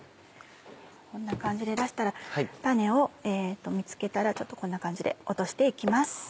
こんな感じで出したら種を見つけたらこんな感じで落として行きます。